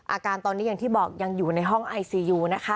อาการตอนนี้อย่างที่บอกยังอยู่ในห้องไอซียูนะคะ